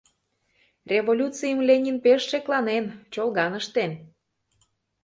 Революцийым Ленин пеш шекланен, чолган ыштен.